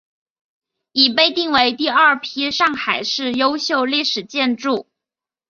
已被定为第二批上海市优秀历史建筑。